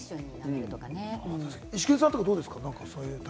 イシケンさんとかどうですか？